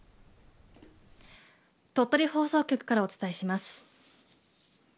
鳥取放送局からお伝えします。